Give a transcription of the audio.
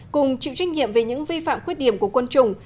cùng chịu trách nhiệm về những vi phạm khuyết điểm của quân chủng